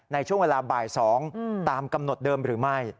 ในช่วงเวลาบ่าย๒ตามกำหนดเดิมหรือไม่